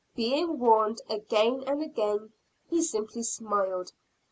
Being warned, again and again, he simply smiled.